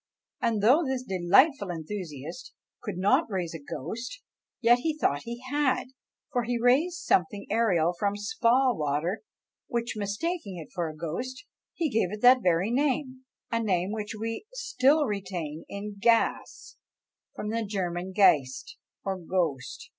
And though this delightful enthusiast could not raise a ghost, yet he thought he had; for he raised something aerial from spa water, which mistaking for a ghost, he gave it that very name; a name which we still retain in gas, from the German geist, or ghost!